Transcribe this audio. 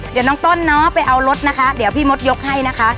เดี๋ยวน้องต้นเนาะไปเอารถนะคะเดี๋ยวพี่มดยกให้นะคะ